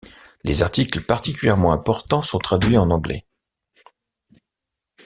Les articles particulièrement importants sont traduits en anglais.